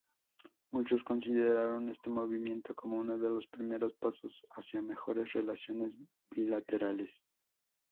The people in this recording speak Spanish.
Muchos consideraron este movimiento como uno de los primeros pasos hacia mejores relaciones bilaterales.